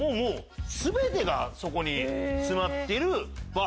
全てがそこに詰まってる。